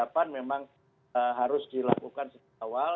terus dilakukan awal